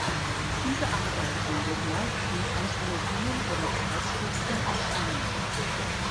Diese Arbeiten sind meist in Anthologien oder Zeitschriften erschienen.